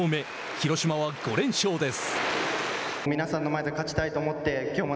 広島は５連勝です。